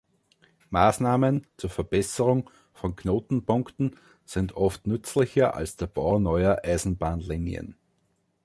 Maßnahmen zur Verbesserung von Knotenpunkten sind oft nützlicher als der Bau neuer Eisenbahnlinien.